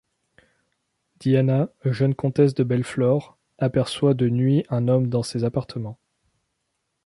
Diana, jeune comtesse de Belflor, aperçoit de nuit un homme dans ses appartements.